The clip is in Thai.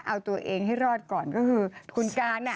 เอาตัวเองให้รอดก่อนก็คือคุณการ